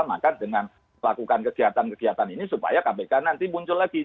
maka dengan melakukan kegiatan kegiatan ini supaya kpk nanti muncul lagi